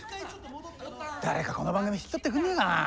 誰かこの番組引き取ってくんないかなあ。